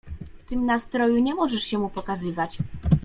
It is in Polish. W tym nastroju nie możesz się mu pokazywać.